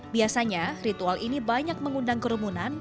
biasanya ritual ini banyak mengundang kerumunan